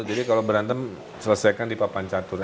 jadi kalau berantem selesaikan di papan catur aja